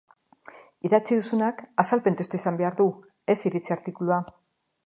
Idatzi duzunak azalpen testua izan behar du, ez iritzi artikulua.